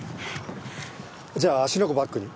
じゃあ芦ノ湖バックに。